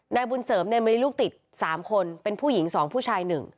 นายบุญเสริมมีลูกติด๓คนเป็นผู้หญิง๒ผู้ชาย๑